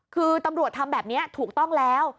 คือตำรวจทำแบบนี้ถูกต้องแล้ว